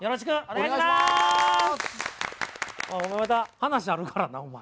おいお前まだ話あるからなお前。